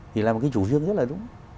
thì là một cái chủ trương rất là đúng